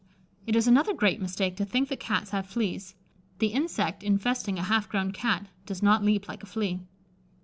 It is another great mistake to think that Cats have fleas: the insect infesting a half grown Cat does not leap like a flea.